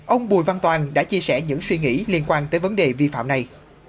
ông bùi văn toàn đã chia sẻ những suy nghĩ liên quan tới vấn đề vi phạm này